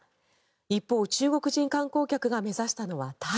一方、中国人観光客が目指したのはタイ。